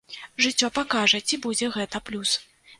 Жыццё пакажа, ці будзе гэта плюс.